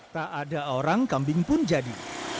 tak ada orang kambing pun jadi